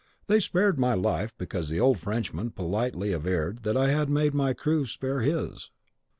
They spared my life, because the old Frenchman politely averred that I had made my crew spare his.